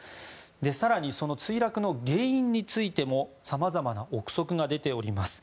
更に、その墜落の原因についてもさまざまな憶測が出ています。